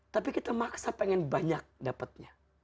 tapi kita maksa pengen banyak dapatnya